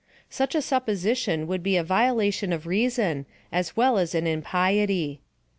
Such a supposition would be a violation of reason, as well as an impiety.